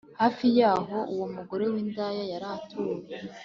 hafi y'aho uwo mugore w'indaya yari atuye